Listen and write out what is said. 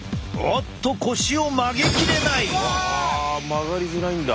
曲がりづらいんだ。